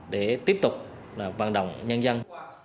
để tiếp tục vận động nhân dân